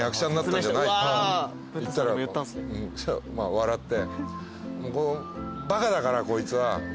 笑って。